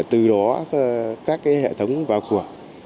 từ đó các hệ thống vào cuộc